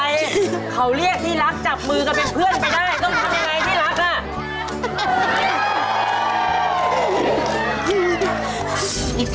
เขาเรียกที่รักจับมือกันเป็นเพื่อนไปได้ต้องทำไงที่รักอ่ะ